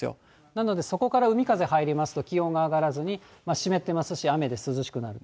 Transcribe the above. なのでそこから海風入りますと、気温が上がらずに、湿ってますし、雨で涼しくなる。